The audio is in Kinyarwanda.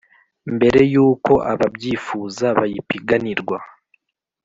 Mbere y uko ababyifuza bayipiganirwa